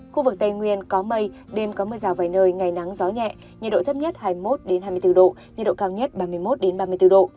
khu vực tây nguyên có mây đêm có mưa rào vài nơi ngày nắng gió nhẹ nhiệt độ thấp nhất hai mươi một hai mươi bốn độ nhiệt độ cao nhất ba mươi một ba mươi bốn độ